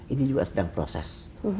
ini juga sedang proses